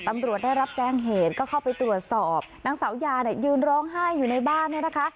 ตำรวจได้รับแจ้งเหตุก็เข้าไปตรวจสอบนางสาวยาเนี่ยยืนร้องไห้อยู่ในบ้านเนี่ยนะคะ